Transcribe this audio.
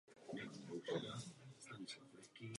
Vyskytují se zde stopy po dolování.